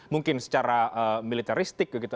mungkin secara militaristik gitu